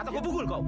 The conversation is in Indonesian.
atau kupukul kau